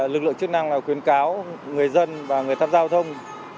lực lượng chức năng khuyến cáo người dân và người tham gia giao thông